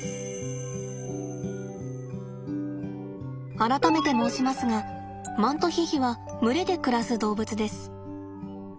改めて申しますがマントヒヒは群れで暮らす動物です。